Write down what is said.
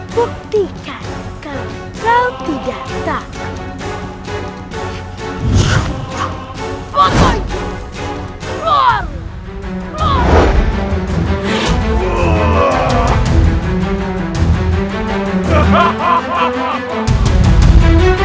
buktikan kalau kau tidak tahu